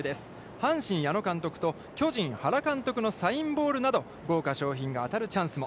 阪神矢野監督と巨人原監督サインボールなど、豪華商品が当たるチャンスも。